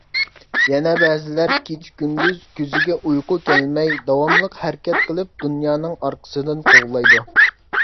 يەنە بەزىلەر كېچە-كۈندۈز كۆزىگە ئۇيقۇ كەلمەي داۋاملىق ھەرىكەت قىلىپ دۇنيانىڭ ئارقىسىدىن قوغلايدۇ.